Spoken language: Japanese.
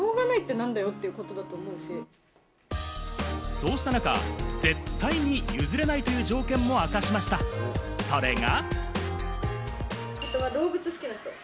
そうした中、絶対に譲れないという条件も明かしました、それが。